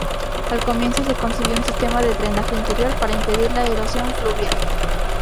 Al comienzo, se concibió un sistema de drenaje interior para impedir la erosión fluvial.